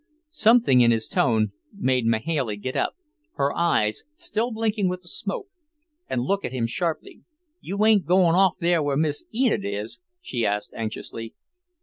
Something in his tone made Mahailey get up, her eyes still blinking with the smoke, and look at him sharply. "You ain't goin' off there where Miss Enid is?" she asked anxiously.